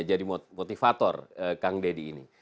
jadi motivator kang deddy ini